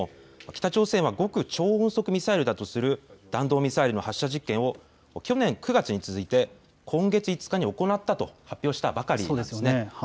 北朝鮮は極超音速ミサイルだとする弾道ミサイルの発射実験を去年９月に続いて今月５日に行ったと発表したばかりです。